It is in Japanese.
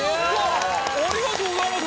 ありがとうございます！